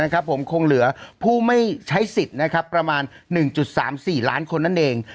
ผมคงเหลือผู้ไม่ใช้สิทธิ์ประมาณ๑๓๔ล้านคนนั่นเอง